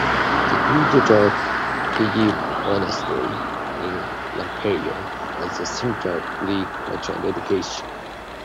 The Zoodochos Pigi monastery in Lampeia was a centre of Greek culture and education.